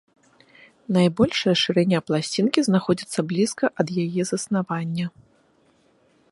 Найбольшая шырыня пласцінкі знаходзіцца блізка ад яе заснавання.